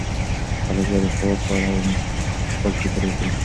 خلک باید د خوراک په اړه خپل فکر وکړي.